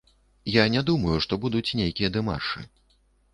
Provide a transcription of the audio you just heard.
Я не думаю, што будуць нейкія дэмаршы.